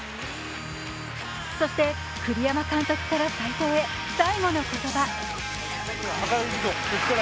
そして栗山監督から斎藤へ最後の言葉。